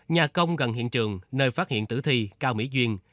nhà công gần hiện trường nơi phát hiện tử thi cao mỹ duyên